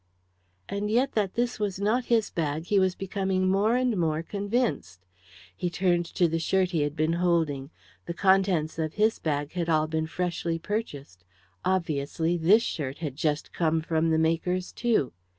And yet that this was not his bag he was becoming more and more convinced. He turned to the shirt he had been holding. The contents of his bag had all been freshly purchased obviously, this shirt had just come from the maker's too.